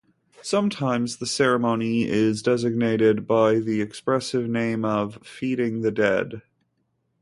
"Sometimes the ceremony is designated by the expressive name of "feeding the dead"."